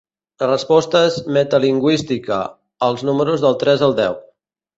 La resposta és metalingüística: als números del tres al deu.